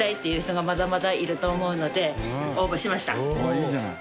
いいじゃない。